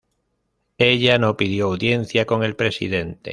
Ella no pidió audiencia con el presidente.